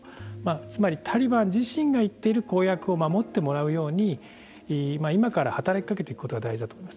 つまり、タリバン自身が言っている公約を守ってもらうように今から働きかけていくことが大事だと思います。